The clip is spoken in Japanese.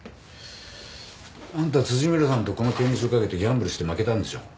あんた村さんとこの権利書を賭けてギャンブルして負けたんでしょ？